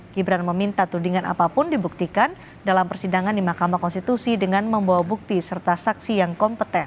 gibran meminta tudingan apapun dibuktikan dalam persidangan di mahkamah konstitusi dengan membawa bukti serta saksi yang kompeten